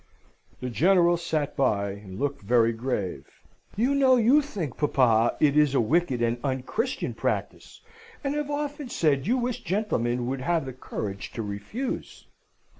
The General sate by and looked very grave. "You know you think, papa, it is a wicked and un Christian practice; and have often said you wished gentlemen would have the courage to refuse!"